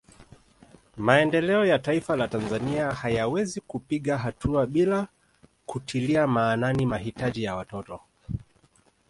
Maendeleo ya Taifa la Tanzania hayawezi kupiga hatua bila kutilia maanani mahitaji ya watoto